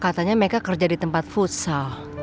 katanya mereka kerja di tempat futsal